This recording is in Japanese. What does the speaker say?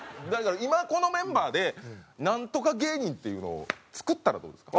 今このメンバーでナントカ芸人っていうのを作ったらどうですか？